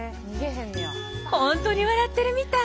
ほんとに笑ってるみたい！